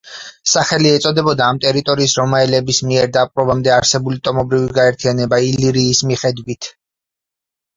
სახელი ეწოდებოდა ამ ტერიტორიის რომაელების მიერ დაპყრობამდე არსებული ტომობრივი გაერთიანება ილირიის მიხედვით.